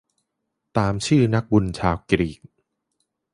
ตามชื่อนักบุญชาวกรีก